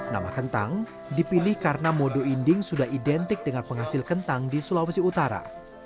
nama kentang dipilih karena modu inding sudah identik dengan penghasil kentang di sulawesi utara